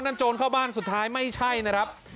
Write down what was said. โจรเข้าบ้านสุดท้ายไม่ใช่นะครับ